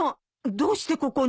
どうしてここに？